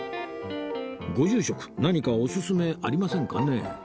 ご住職何かオススメありませんかね？